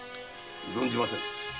存じません。